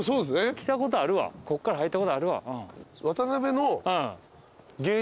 来たことあるわこっから入ったことあるわ。